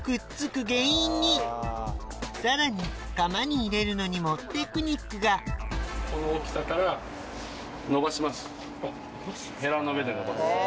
さらに窯に入れるのにもテクニックがこの大きさからのばします。